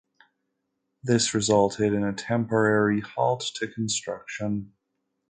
This resulted in a temporary halt to construction.